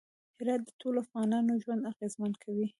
هرات د ټولو افغانانو ژوند اغېزمن کوي.